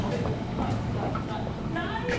ないないないない！